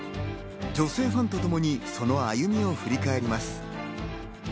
女性ファンとともにその歩みを振り返ります。